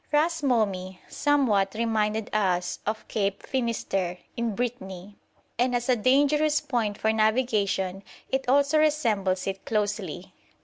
Ras Momi somewhat reminded us of Cape Finisterre, in Brittany, and as a dangerous point for navigation it also resembles it closely.